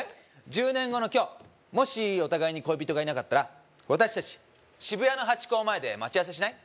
１０年後の今日もしお互いに恋人がいなかったら私達渋谷のハチ公前で待ち合わせしない？